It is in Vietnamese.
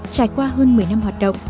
trải qua hơn một mươi năm hoạt động